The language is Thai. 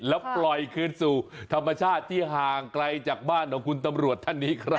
ลอยคืนสู่ธรรมชาติที่ห่างใกล้จากบ้านของคุณธรรมร่วดท่านครับ